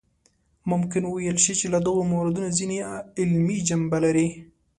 ممکن وویل شي چې له دغو موردونو ځینې علمي جنبه لري.